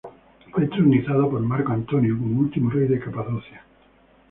Fue entronizado por Marco Antonio como último rey de Capadocia.